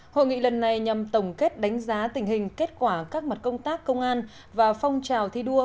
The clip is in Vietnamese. hội nghị lần này nhằm tổng kết đánh giá tình hình kết quả các mặt công tác công an và phong trào thi đua